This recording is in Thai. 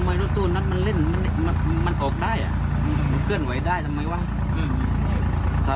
อันนี้น้องก็หลับในอยู่